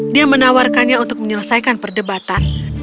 dia menawarkannya untuk menyelesaikan perdebatan